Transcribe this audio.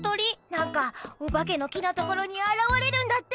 なんかおばけのきのところにあらわれるんだって！